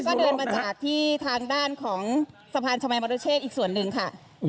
ก็เดินมาจากที่ทางด้านของสะพานชมัยมรเชษอีกส่วนหนึ่งค่ะ